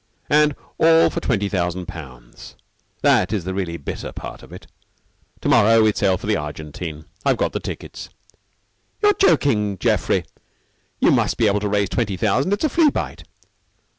And all for twenty thousand pounds. That is the really bitter part of it. To morrow we sail for the Argentine. I've got the tickets." "You're joking, Geoffrey. You must be able to raise twenty thousand. It's a flea bite."